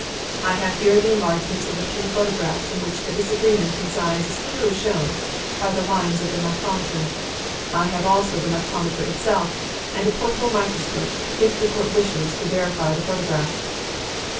I have here enlargements of the two photographs in which the disagreement in size is clearly shown by the lines of the micrometer. I have also the micrometer itself and a portable microscope, if the Court wishes to verify the photographs."